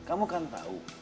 kamu kan tahu